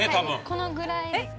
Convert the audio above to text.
このぐらいです